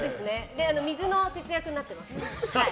水の節約になってます。